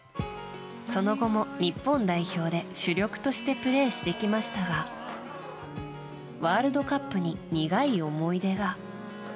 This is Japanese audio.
その後も日本代表で主力としてプレーしてきましたがワールドカップに苦い思い出が。